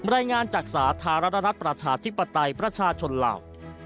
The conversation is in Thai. รายงานจากสาธารณรัฐประชาธิปไตยประชาชนลาว